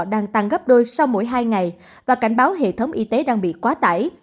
đang tăng gấp đôi sau mỗi hai ngày và cảnh báo hệ thống y tế đang bị quá tải